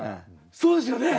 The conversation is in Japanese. そうですよね。